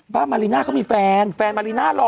บ้านมาริน่าเขามีแฟนแฟนมาริน่าหล่อ